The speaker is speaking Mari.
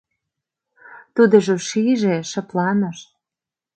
Тудыжо шиже, шыпланыш.